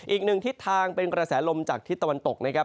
อีกหนึ่งทิศทางเป็นกระแสลมจากทิศตะวันตกนะครับ